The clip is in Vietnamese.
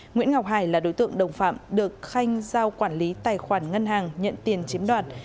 nguyễn ngọc hải là đối tượng đồng phạm được khanh giao quản lý tài khoản ngân hàng nhận tiền chiếm đoạt